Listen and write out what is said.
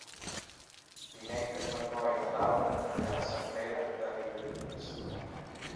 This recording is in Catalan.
Dimecres na Zoè i na Laura aniran a Sant Pere de Riudebitlles.